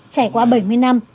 trải qua bảy mươi năm